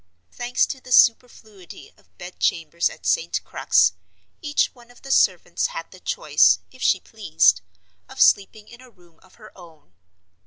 Thanks to the superfluity of bed chambers at St. Crux, each one of the servants had the choice, if she pleased, of sleeping in a room of her own.